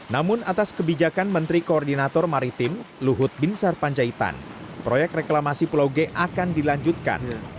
namun atas kebijakan menteri koordinator maritim luhut bin sarpanjaitan proyek reklamasi pulau g akan dilanjutkan